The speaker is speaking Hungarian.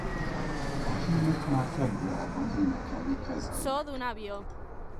A hímek már februárban énekelni kezdenek.